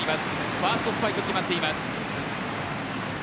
ファーストスパイク決まっています。